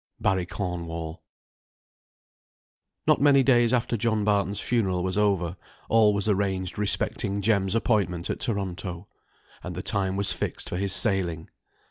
BARRY CORNWALL. Not many days after John Barton's funeral was over, all was arranged respecting Jem's appointment at Toronto; and the time was fixed for his sailing.